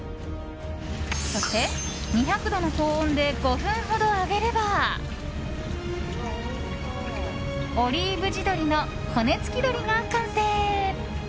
そして、２００度の高温で５分ほど揚げればオリーブ地鶏の骨付鶏が完成。